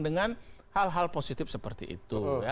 dengan hal hal positif seperti itu